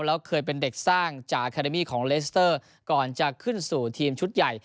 แล้วเคยเป็นเด็กสร้างจากคาเดมี่ของเลสเตอร์ก่อนจะขึ้นสู่ทีมชุดใหญ่